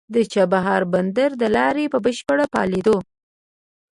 د چابهار بندر د لارې په بشپړ فعالېدو